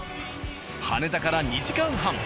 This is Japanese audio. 羽田から２時間半。